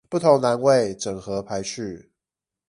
不同欄位整合排序